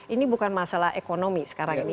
ini bukan masalah ekonomi sekarang ini